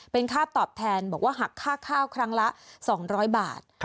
เป็นค่าตอบแทนบอกว่าหักค่าข้าวครั้งละ๒๐๐บาท